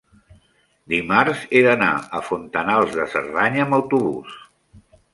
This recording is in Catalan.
dimarts he d'anar a Fontanals de Cerdanya amb autobús.